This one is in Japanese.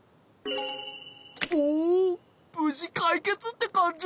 おぶじかいけつってかんじ？